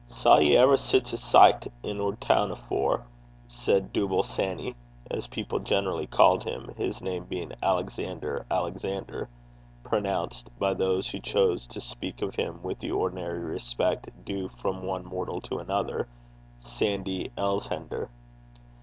'Saw ye ever sic a sicht in oor toon afore!' said Dooble Sanny, as people generally called him, his name being Alexander Alexander, pronounced, by those who chose to speak of him with the ordinary respect due from one mortal to another, Sandy Elshender.